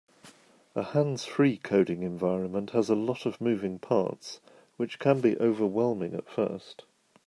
A hands-free coding environment has a lot of moving parts, which can be overwhelming at first.